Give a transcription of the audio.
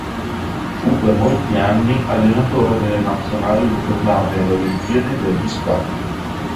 Fu per molti anni allenatore della nazionale jugoslava alle Olimpiadi degli scacchi.